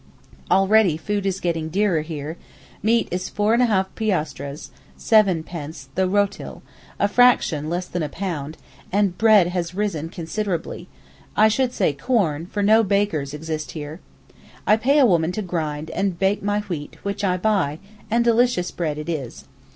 Already food is getting dearer here; meat is 4½ piastres—7d.—the rötl (a fraction less than a pound), and bread has risen considerably—I should say corn, for no bakers exist here. I pay a woman to grind and bake my wheat which I buy, and delicious bread it is.